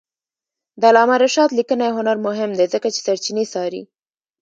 د علامه رشاد لیکنی هنر مهم دی ځکه چې سرچینې څاري.